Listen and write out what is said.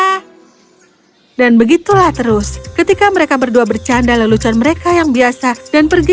hai dan begitulah terus ketika mereka berdua bercanda lelucon mereka yang biasa dan pergi